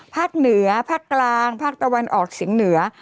ภาคเหนือภาคกลางภาคตะวันออกเฉียงเหนือ